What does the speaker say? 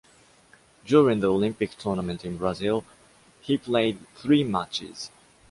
During the Olympic tournament in Brazil, he played three matches.